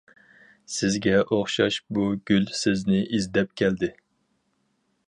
سىزگە ئوخشاش بۇ گۈل سىزنى ئىزدەپ كەلدى.